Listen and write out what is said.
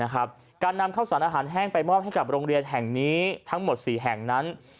การนำข้าวสารอาหารแห้งไปมอบให้กับโรงเรียนแห่งนี้ทั้งหมด๔แห่งนั้น